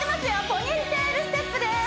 ポニーテールステップです